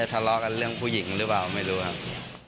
จะทะเลาะกันเรื่องผู้หญิงหรือเปล่ายใช่ไหมนะคะ